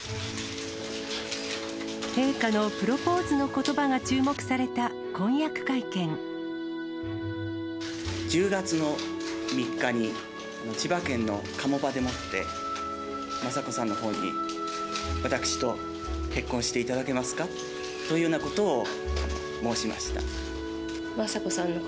陛下のプロポーズのことばが１０月の３日に、千葉県の鴨場でもって、雅子さんのほうに、私と結婚していただけますかというようなことを申しました。